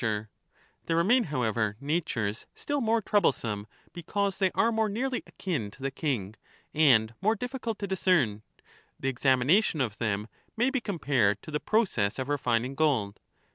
Sir, There remain, however, natures still more trouble some, because they are more nearly akin to the king, and more difficult to discern ; the examination of them may be compared to the process of refining gold.